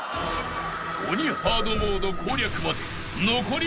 ［鬼ハードモード攻略まで残り